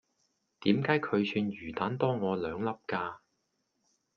點解佢串魚蛋多我兩粒㗎?